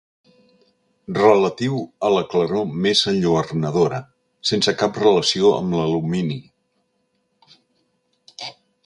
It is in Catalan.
Relatiu a la claror més enlluernadora, sense cap relació amb l'alumini.